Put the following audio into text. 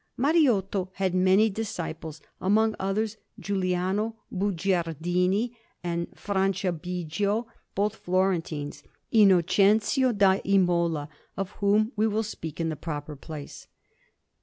Mariotto had many disciples; among others, Giuliano Bugiardini and Franciabigio, both Florentines, and Innocenzio da Imola, of whom we will speak in the proper place.